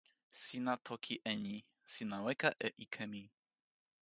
sina toki e ni: sina weka e ike mi.